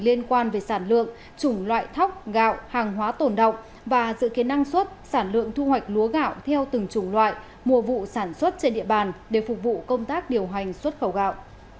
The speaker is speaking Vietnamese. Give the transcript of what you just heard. loại thóc gạo hàng hóa tổn động và dự kiến năng suất sản lượng thu hoạch lúa gạo theo từng chủng loại mùa vụ sản xuất trên địa bàn để phục vụ công tác điều hành xuất khẩu gạo